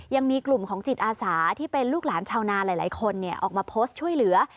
ยังมีกลุ่มของจิตอาสาที่เป็นลูกหลานชาวนาหลายคนออกมาโพสต์ช่วยเหลือ